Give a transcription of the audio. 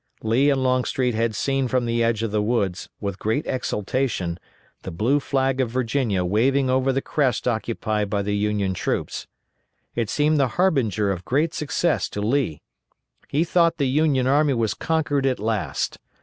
Lee and Longstreet had seen from the edge of the woods, with great exultation, the blue flag of Virginia waving over the crest occupied by the Union troops. It seemed the harbinger of great success to Lee. He thought the Union army was conquered at last.